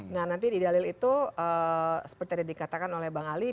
nah nanti di dalil itu seperti tadi dikatakan oleh bang ali